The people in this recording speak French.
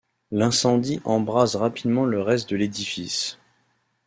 L'incendie embrase rapidement le reste de l'édifice.